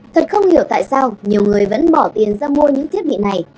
thật không hiểu tại sao nhiều người vẫn bỏ tiền ra mua những thiết bị này